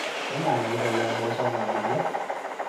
請問你哋有冇送外賣呢